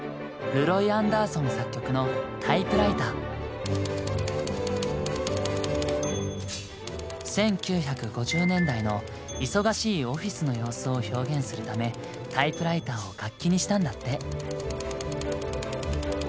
そう１９５０年代の忙しいオフィスの様子を表現するためタイプライターを楽器にしたんだって。